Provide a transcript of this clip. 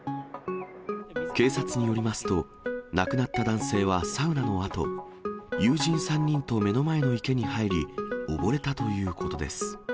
警察によりますと、亡くなった男性はサウナのあと、友人３人と目の前の池に入り、溺れたということです。